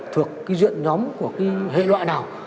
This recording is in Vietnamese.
thuộc cái duyện nhóm của cái hệ loại nào